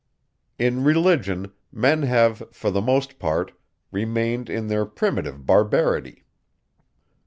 In religion, men have, for the most part, remained in their primitive barbarity.